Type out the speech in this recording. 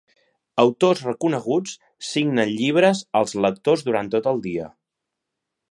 Autors reconeguts signen llibres als lectors durant tot el dia.